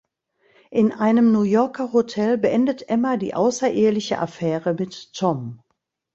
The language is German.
In einem New Yorker Hotel beendet Emma die außereheliche Affäre mit Tom.